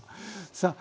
さあ